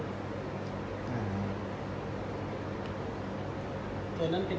ตัวทดลองตัวเทปนึงครับ